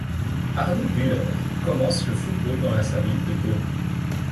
Arnaud Bühler commence le football dans sa ville de Baulmes.